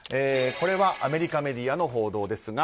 これはアメリカメディアの報道。